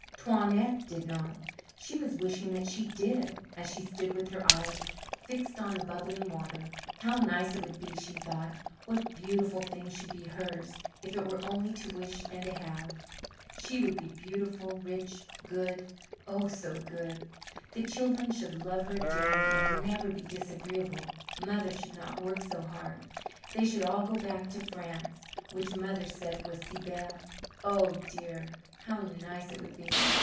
Toinette did not; she was wishing that she did, as she stood with her eyes fixed on the bubbling water. How nice it would be! she thought. What beautiful things should be hers, if it were only to wish and to have. She would be beautiful, rich, good oh, so good. The children should love her dearly, and never be disagreeable. Mother should not work so hard they should all go back to France which mother said was si belle. Oh, dear, how nice it would be.